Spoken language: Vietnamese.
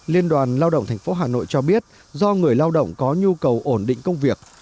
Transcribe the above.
liên đoàn lao động tp hà nội cho biết do người lao động có nhu cầu ổn định công việc